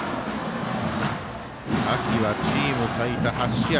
秋はチーム最多８試合。